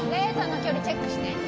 レーザーの距離チェックして。